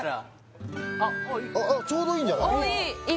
ちょうどいいんじゃない？